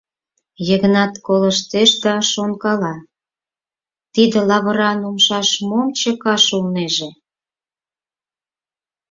Йыгнат колыштеш да шонкала: «Тиде лавыран умшаш мом чыкаш улнеже?